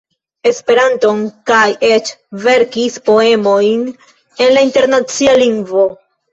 Esperanton, kaj eĉ verkis poemojn en la Internacia Lingvo.